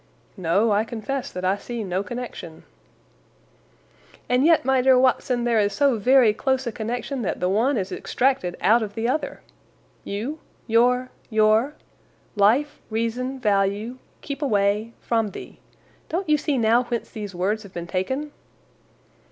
"No, I confess that I see no connection." "And yet, my dear Watson, there is so very close a connection that the one is extracted out of the other. 'You,' 'your,' 'your,' 'life,' 'reason,' 'value,' 'keep away,' 'from the.' Don't you see now whence these words have been taken?"